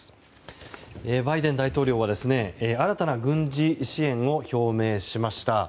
バイデン大統領は新たな軍事支援を表明しました。